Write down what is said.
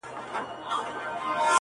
پاچاهان لویه گوله غواړي خپل ځان ته!.